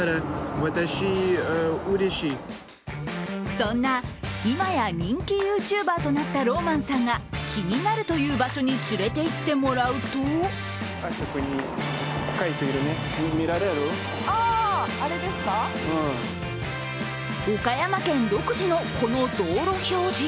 そんな、今や人気ＹｏｕＴｕｂｅｒとなったローマンさんが気になるという場所に連れていってもらうと岡山県独自のこの道路標示。